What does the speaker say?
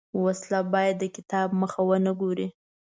وسله باید د کتاب مخ ونه ګوري